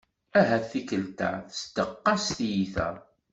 Ahat tikelt-a tezdeq-as tyita.